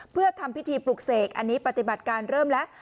เพื่อทำพิธีปลุกเสกอันนี้ปฏิบัติการเริ่มแล้ว